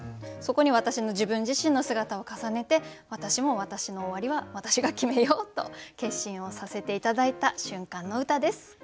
そこに私の自分自身の姿を重ねて私も私の終わりは私が決めようと決心をさせて頂いた瞬間の歌です。